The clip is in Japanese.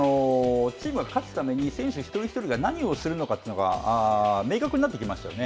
チームが勝つために選手一人一人が何をするのかというのが明確になってきましたよね。